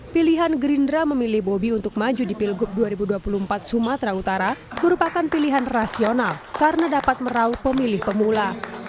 pilihan gerindra memilih bobi untuk maju di pilgub dua ribu dua puluh empat sumatera utara merupakan pilihan rasional karena dapat merauh pemilih pemula